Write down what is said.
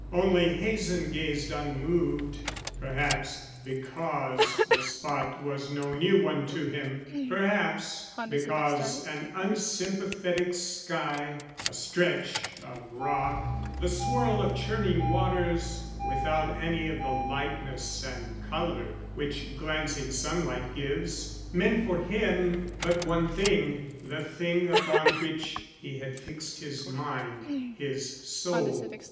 Only Hazen gazed unmoved. Perhaps because the spot was no new one to him, perhaps because an unsympathetic sky, a stretch of rock, the swirl of churning waters without any of the lightness and color which glancing sunlight gives, meant for him but one thing the thing upon which he had fixed his mind, his soul.